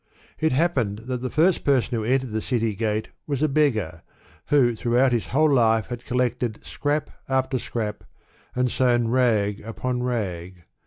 It happened that the first person who entered the city gate was a beggar, who throughout his whole life had collected scrap after scrap, and sewn rag upon rag.